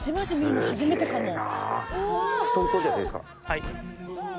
はい。